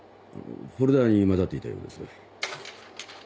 フォルダに交ざっていたようです。